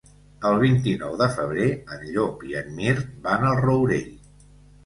El vint-i-nou de febrer en Llop i en Mirt van al Rourell.